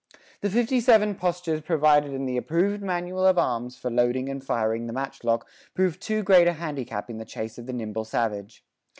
The fifty seven postures provided in the approved manual of arms for loading and firing the matchlock proved too great a handicap in the chase of the nimble savage.